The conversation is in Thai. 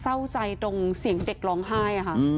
เศร้าใจตรงเสียงเด็กร้องไห้ค่ะ